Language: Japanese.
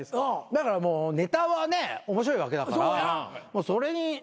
だからもうネタはね面白いわけだからそれに特化していけば。